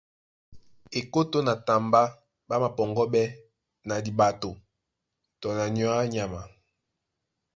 Ekótó na tambá ɓá mapɔŋgɔ́ɓɛ́ na diɓato tɔ na nyɔ̌ á nyama.